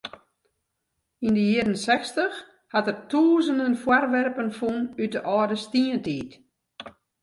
Yn de jierren sechstich hat er tûzenen foarwerpen fûn út de âlde stientiid.